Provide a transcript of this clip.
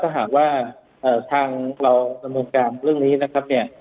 ถ้าหากว่าทางเราดำเนินการเรื่องนี้นะครับเนี่ย